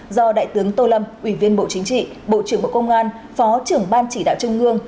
do đại tướng tô lâm ủy viên bộ chính trị bộ trưởng bộ công an phó trưởng ban chỉ đạo trung ương